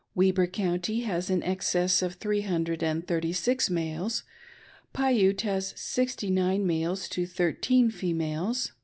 Weber County has . an excess of three hundred and thirty six wajes ; Piute has SHtty nme males to thirteen fein^J^^.